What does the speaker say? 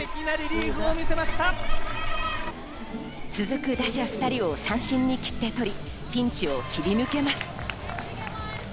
続く打者２人を三振に斬って取り、ピンチを切り抜けます。